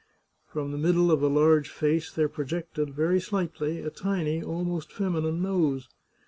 From the middle of a large face there projected, very slightly, a tiny, almost feminine nose.